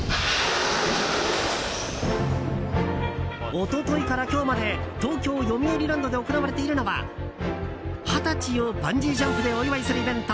一昨日から今日まで東京よみうりランドで行われているのは二十歳をバンジージャンプでお祝いするイベント